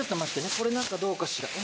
これなんかどうかしら。